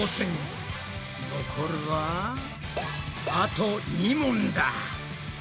残るはあと２問だ！